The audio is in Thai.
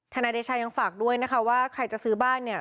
บางส่วนเจ้าอย่างฝากด้วยนะคะว่าใครจะซื้อบ้านเนี่ย